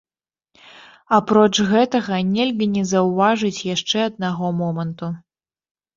Апроч гэтага нельга не заўважыць яшчэ аднаго моманту.